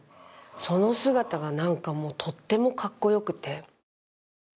その姿がとってもかっこよくて。